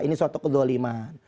ini suatu kedoliman